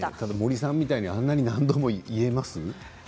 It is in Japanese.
でも森さんみたいにあんなに何度も言えますか。